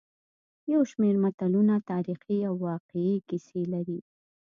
یو شمېر متلونه تاریخي او واقعي کیسې لري